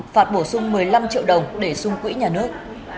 phạt bổ sung một mươi năm triệu đồng để sung quỹ nhà nước